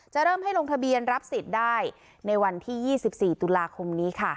เริ่มให้ลงทะเบียนรับสิทธิ์ได้ในวันที่๒๔ตุลาคมนี้ค่ะ